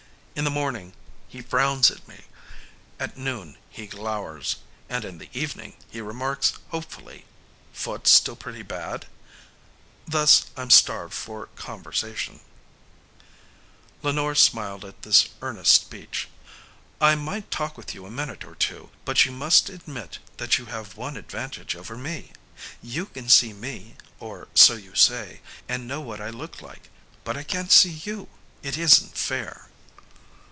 In the morning he frowns at me, at noon he glowers, and in the evening he remarks hopefully, 'Foot still pretty bad?' Thus, I'm starved for conversation." Lenore smiled at this earnest speech. "I might talk with you for a minute or two, but you must admit that you have one advantage over me. You can see me, or so you say, and know what I look like, but I can't see you. It isn't fair."